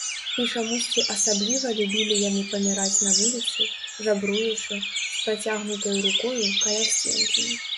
І чамусьці асабліва любілі яны паміраць на вуліцы, жабруючы, з працягнутаю рукою, каля сценкі.